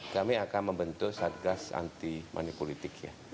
kami akan membentuk satgas anti politik